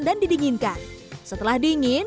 dan didinginkan setelah dingin